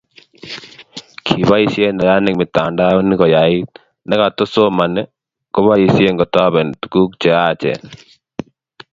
kiboisien neranik mitandaonik ko yait, na katu somani koboisie kotoben tuguk che yaachen